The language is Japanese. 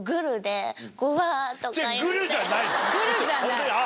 グルじゃない。